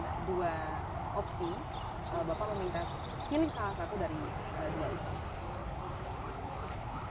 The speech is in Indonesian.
ada dua opsi kalau bapak meminta pilih salah satu dari dua isu